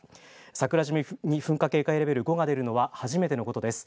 桜島に噴火警戒レベル５が出るのは初めてのことです。